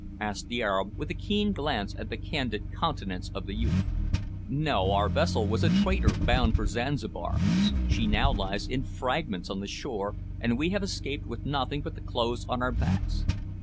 asked the Arab, with a keen glance at the candid countenance of the youth. "No, our vessel was a trader bound for Zanzibar. She now lies in fragments on the shore, and we have escaped with nothing but the clothes on our backs.